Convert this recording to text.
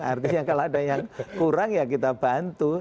artinya kalau ada yang kurang ya kita bantu